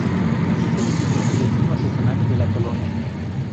Así se definió el destino artesanal de la colonia.